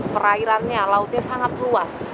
perairannya lautnya sangat luas